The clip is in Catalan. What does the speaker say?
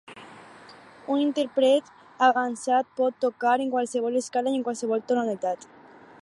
Un intèrpret avançat pot tocar en qualsevol escala i en qualsevol tonalitat.